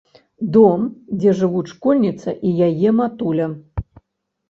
Дом, дзе жывуць школьніца і яе матуля.